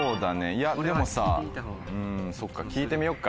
いやでもさうん聞いてみようか。